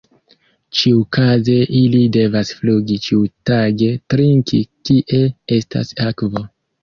Ĉiukaze ili devas flugi ĉiutage trinki kie estas akvo.